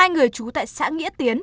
hai người chú tại xã nghĩa tiến